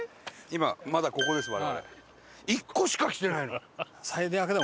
今まだここです我々。